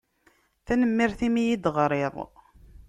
Tanemmirt i mi yi-d-teɣṛiḍ.